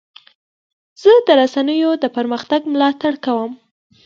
زه د رسنیو د پرمختګ ملاتړ کوم.